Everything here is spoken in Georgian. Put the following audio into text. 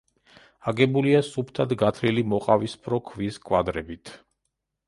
აგებულია სუფთად გათლილი მოყავისფრო ქვის კვადრებით.